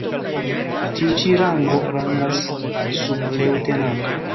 Tiu ĉi rango rangas sub leŭtenanto.